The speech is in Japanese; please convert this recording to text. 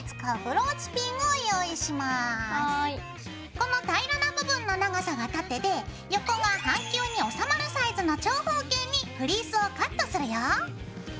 この平らな部分の長さが縦で横が半球に収まるサイズの長方形にフリースをカットするよ。